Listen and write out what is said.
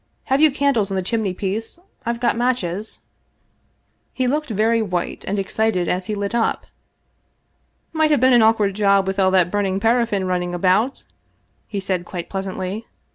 Have you candles on the chimney piece? I've got matches." He looked very white and excited as he lit up. " Might have been an awkward job with all that burning paraffia running about," he said quite pleasantly.